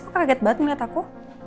aku kaget banget melihat aku